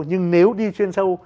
nhưng nếu đi chuyên sâu